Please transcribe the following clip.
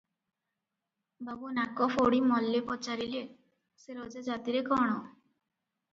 ବାବୁ ନାକଫୋଡି ମଲ୍ଲେ ପଚାରିଲେ-ସେ ରଜା ଜାତିରେ କଣ?